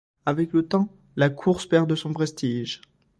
Avec le temps, la course perd de son prestige.